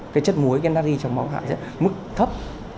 cái chất muối cái nari trong máu hạ rất là mức thấp